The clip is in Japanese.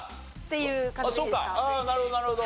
ああなるほどなるほど。